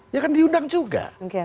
ya kan diundang juga